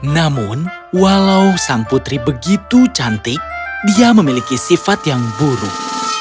namun walau sang putri begitu cantik dia memiliki sifat yang buruk